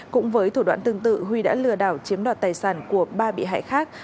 cũng với thủ đoạn tương tự huy đã lừa đảo chiếm đoạt tài sản của ba bị hại khác